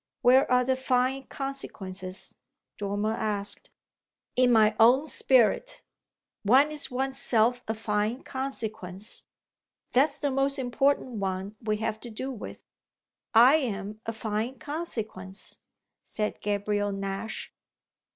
Where are the fine consequences?" Dormer asked. "In one's own spirit. One is one's self a fine consequence. That's the most important one we have to do with. I am a fine consequence," said Gabriel Nash.